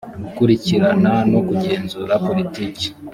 gukurikirana no kugenzura politiki